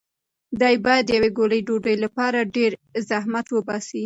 دی باید د یوې ګولې ډوډۍ لپاره ډېر زحمت وباسي.